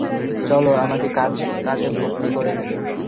চলো আমাকে কাজে ভরতি করে নেবে।